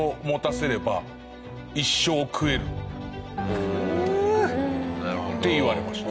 クウー！って言われました。